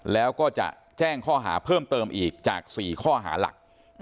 แล้วก็จะแจ้งข้อหาเพิ่มเติมอีกจาก๔ข้อหาหลัก